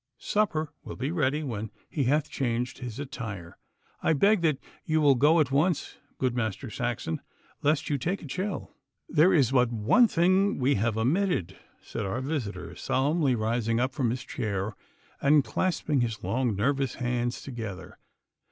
Supper will be ready when he hath changed his attire. I beg that you will go at once, good Master Saxon, lest you take a chill.' 'There is but one thing that we have omitted,' said our visitor, solemnly rising up from his chair and clasping his long nervous hands together.